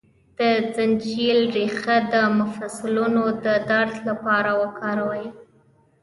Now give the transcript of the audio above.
د زنجبیل ریښه د مفصلونو د درد لپاره وکاروئ